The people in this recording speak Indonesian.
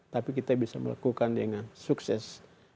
tapi kita bisa melakukan dengan sukses